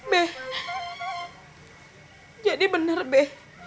be jadi bener be